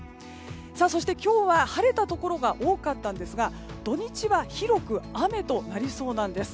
そして今日は晴れたところが多かったんですが土日は広く雨となりそうなんです。